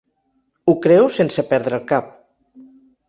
Ho creo sense perdre el cap.